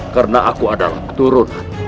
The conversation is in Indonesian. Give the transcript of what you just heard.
karena aku adalah keturunan